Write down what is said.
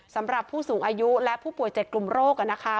สำหรับผู้สูงอายุและผู้ป่วย๗กลุ่มโรค